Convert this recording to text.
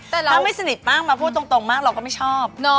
แต่เราถ้าไม่สนิทมากมาพูดตรงมากเราก็ไม่ชอบ